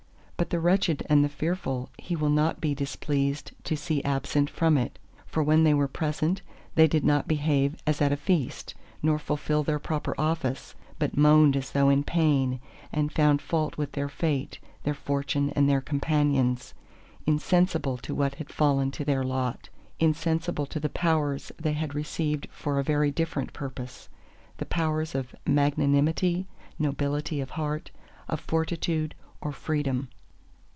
But the wretched and the fearful He will not be displeased to see absent from it: for when they were present, they did not behave as at a Feast, nor fulfil their proper office; but moaned as though in pain, and found fault with their fate, their fortune and their companions; insensible to what had fallen to their lot, insensible to the powers they had received for a very different purpose—the powers of Magnanimity, Nobility of Heart, of Fortitude, or Freedom!